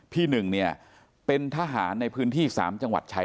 หนึ่งเนี่ยเป็นทหารในพื้นที่๓จังหวัดชาย